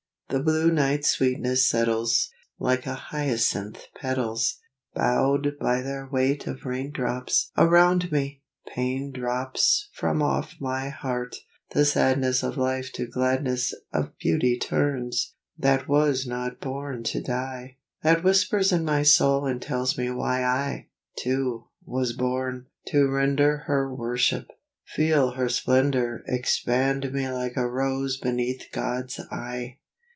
IV The blue night's sweetness settles Like hyacinth petals, Bowed by their weight of rain drops Around me: pain drops From off my heart, the sadness Of life to gladness Of beauty turns, that was not born to die; That whispers in my soul and tells me why I, too, was born to render Her worship: feel her splendor Expand me like a rose beneath God's eye.